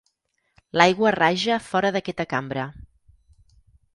L'aigua raja fora d'aquesta cambra.